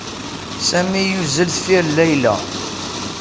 Sami yuzzel deffir Layla.